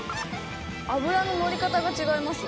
脂ののり方が違います。